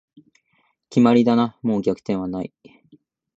決まりだな、もう逆転はない